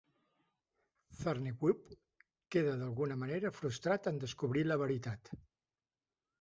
Zarniwoop queda d'alguna manera frustrat en descobrir la veritat.